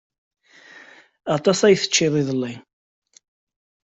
Aṭas i teččiḍ iḍelli.